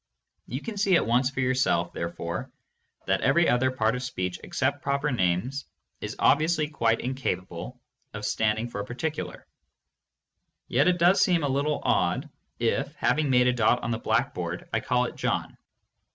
You can see at once for yourself, therefore, that every other part of speech ex cept proper names is obviously quite incapable of standing for a particular. Yet it does seem a little odd if, having made a dot on the blackboard, I call it "John."